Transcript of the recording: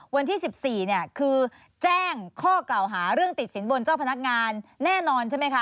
วันที่๑๔คือแจ้งข้อกล่าวหาเรื่องติดสินบนเจ้าพนักงานแน่นอนใช่ไหมคะ